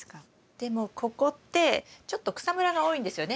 でもここってちょっと草むらが多いんですよね